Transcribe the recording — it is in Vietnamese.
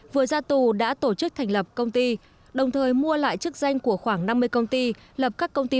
vừa ra tù đã tổ chức thành lập công ty đồng thời mua lại chức danh của khoảng năm mươi công ty